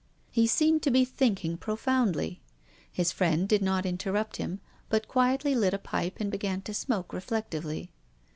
He seemed to be thinking profoundly. His friend did not interrupt him, but quietly lit a pipe and began to smoke reflect ively.